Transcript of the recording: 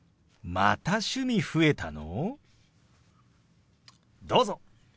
また趣味増えたの！？